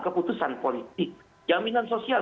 keputusan politik jaminan sosial